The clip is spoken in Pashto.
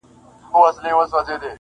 o زما څه عبادت په عادت واوښتی,